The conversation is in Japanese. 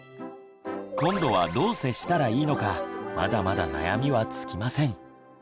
今度はどう接したらいいのかまだまだ悩みは尽きません。